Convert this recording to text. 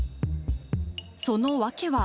その訳は。